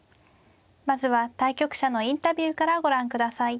まずは対局者のインタビューからご覧ください。